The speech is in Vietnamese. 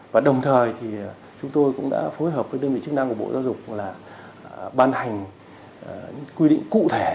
và đồng thời thì chúng tôi cũng đã phối hợp với đơn vị chức năng của bộ giáo dục là ban hành quy định cụ thể